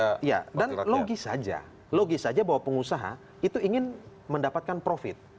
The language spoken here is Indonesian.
pembangunan dan logis saja bahwa pengusaha itu ingin mendapatkan profit